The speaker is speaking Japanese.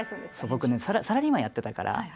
僕ねサラリーマンやってたから。